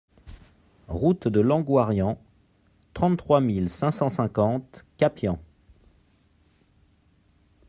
Route de Langoiran, trente-trois mille cinq cent cinquante Capian